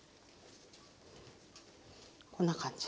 こんな感じ。